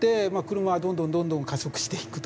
車はどんどんどんどん加速していくと。